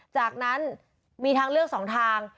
จากนั้นมีทางเลือก๒ทาง